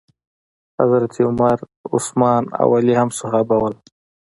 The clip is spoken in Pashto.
حضرت عمر، عثمان او علی هم صحابه وو.